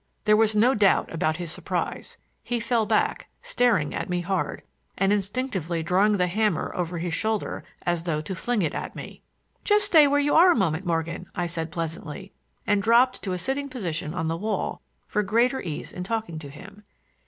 There was no doubt about his surprise; he fell back, staring at me hard, and instinctively drawing the hammer over his shoulder as though to fling it at me. "Just stay where you are a moment, Morgan," I said pleasantly, and dropped to a sitting position on the wall for greater ease in talking to him.